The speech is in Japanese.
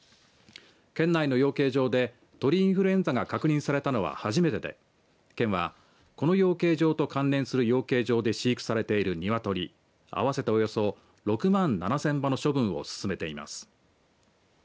県内の養鶏場で鳥インフルエンザが確認されたのは初めてで県はこの養鶏場と関連する養鶏場で飼育されている鶏合わせて、およそ６万７０００羽の処分を進めています。